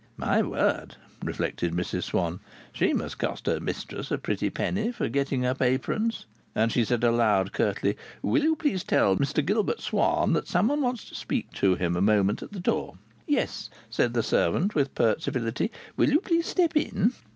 "My word!" reflected Mrs Swann, "she must cost her mistress a pretty penny for getting up aprons!" And she said aloud curtly: "Will you please tell Mr Gilbert Swann that someone wants to speak to him a minute at the door?" "Yes," said the servant, with pert civility. "Will you please step in?"